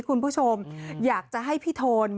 คุณผู้ชมอยากจะให้พี่โทน